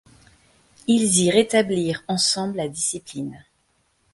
Ils y rétablirent ensemble la discipline.